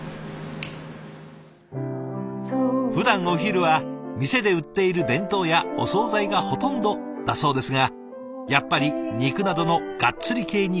ふだんお昼は店で売っている弁当やお総菜がほとんどだそうですがやっぱり肉などのガッツリ系に偏りがち。